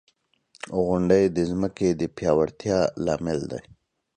• غونډۍ د ځمکې د پیاوړتیا لامل دی.